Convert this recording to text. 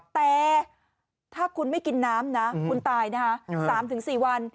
แต่ถ้าคุณไม่กินน้ำนะคุณตายนะคะ๓๔วัน